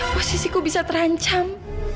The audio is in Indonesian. posisiku bisa terancam